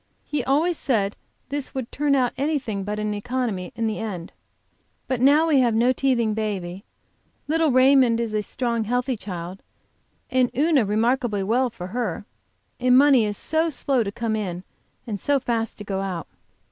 He always said this would turn out anything but an economy in the end. But now we have no teething baby; little Raymond is a strong, healthy child, and Una remarkably well for her, and money is so slow to come in and so fast to go out.